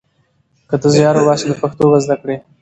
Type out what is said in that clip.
که ته زیار وباسې نو پښتو به زده کړې.